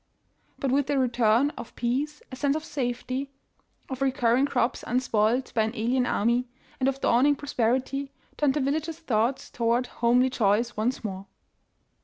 But with the return of peace, a sense of safety, of recurring crops unspoiled by an alien army, and of dawning prosperitj^, turned the villagers' thoughts to ward homely joys once more.